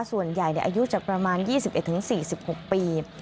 ส่วนใหญ่อายุจากประมาณ๒๑๔๖ปี